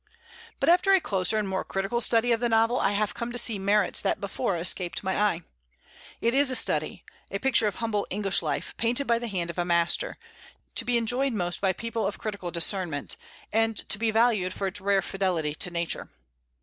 But after a closer and more critical study of the novel I have come to see merits that before escaped my eye. It is a study, a picture of humble English life, painted by the hand of a master, to be enjoyed most by people of critical discernment, and to be valued for its rare fidelity to Nature.